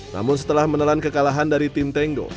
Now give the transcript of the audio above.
namun setelah menelan kekalahan dari tim tenggo